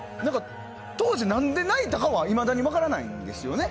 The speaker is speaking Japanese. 当時、何で泣いたかはいまだに分からないんです。